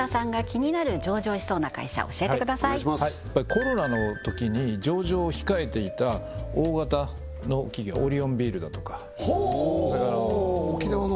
コロナのときに上場を控えていた大型の企業オリオンビールだとかほお沖縄の？